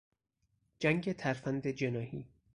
جنگ ترفند جناحی